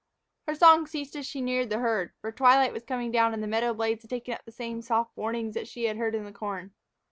Her song ceased as she neared the herd, for twilight was coming down and the meadow blades had taken up the same soft warnings that she had heard in the corn.